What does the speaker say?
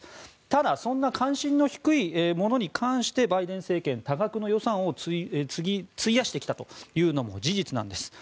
ただ、そんな関心の低いものに関してバイデン政権多額の予算を費やしてきたというのも事実なんです。